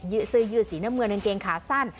ยืดซื้อยืดสีหน้าเมืองเงินเกงขาสั้น